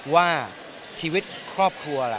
ว่าชีวิตครอบครัวล่ะ